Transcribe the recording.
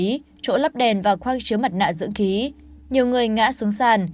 tại chỗ lắp đèn và khoang chứa mặt nạ dưỡng khí nhiều người ngã xuống sàn